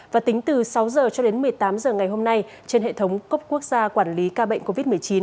và tính từ sáu giờ cho đến một mươi tám giờ ngày hôm nay trên hệ thống cốc quốc gia quản lý ca bệnh covid một mươi chín